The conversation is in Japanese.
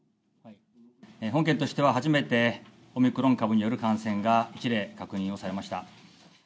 本県としては初めて、オミクロン株による感染が１例確認をされました。